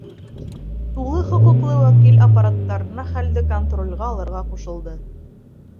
Тулы хоҡуҡлы вәкил аппаратына хәлде контролгә алырға ҡушылды.